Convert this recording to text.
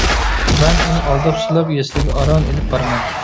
مەن ئۇنى ئالداپ-سىلاپ يەسلىگە ئاران ئېلىپ بارىمەن.